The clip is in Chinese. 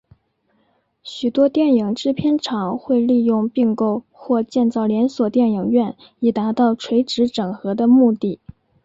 许多电影制片厂会利用并购或建造连锁电影院以达到垂直整合的目的。